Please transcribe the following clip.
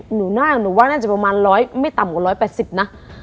หนูน่าหนูว่าน่าจะประมาณร้อยไม่ต่ำกว่าร้อยแปดสิบนะ